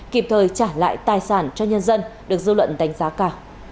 kịp thời trả lại tài sản cho nhân dân được dư luận đánh giá cả